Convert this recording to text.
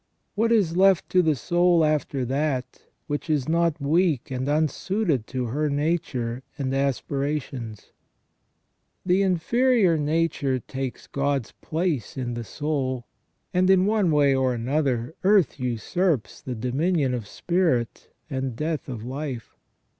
What is left to the soul after that, which is not weak and unsuited to her nature and aspirations ? The inferior nature takes God's place in the soul ; and, in one way or another, earth usurps the dominion of spirit, and death of life.